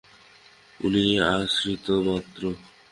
উনি আশ্রিত মাত্র।